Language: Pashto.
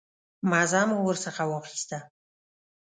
مزه مو ورڅخه واخیسته.